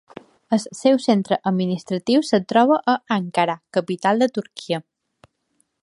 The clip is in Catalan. El seu centre administratiu es troba a Ankara, capital de Turquia.